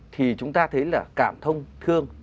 thì chúng ta thấy là cảm thông thương